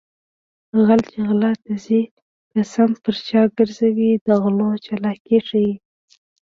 غل چې غلا ته ځي قسم پر شا ګرځوي د غلو چالاکي ښيي